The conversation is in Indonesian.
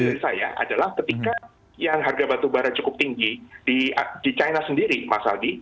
sebenarnya menurut saya adalah ketika yang harga batu bara cukup tinggi di china sendiri mas adi